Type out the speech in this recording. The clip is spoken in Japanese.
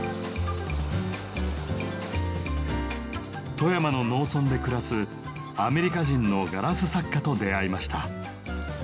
富山の農村で暮らすアメリカ人のガラス作家と出会いました。